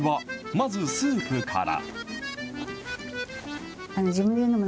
まずスープから。